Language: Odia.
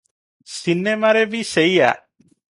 ସିନେମାରେ ବି ସେଇଆ ।